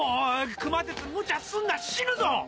熊徹ムチャすんな死ぬぞ！